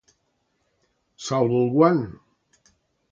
Salvo el guant.